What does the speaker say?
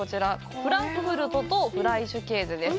フランクフルトとフライシュケーゼです。